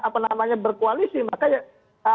apa namanya berkoalisi makanya